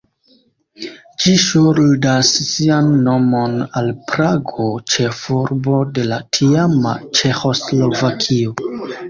Ĝi ŝuldas sian nomon al Prago, ĉefurbo de la tiama Ĉeĥoslovakio.